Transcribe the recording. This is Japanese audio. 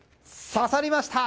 刺さりました！